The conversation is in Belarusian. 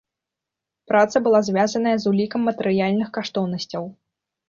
Праца была звязаная з улікам матэрыяльных каштоўнасцяў.